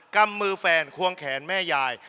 กำมือแฟนควงแขนแม่ยาย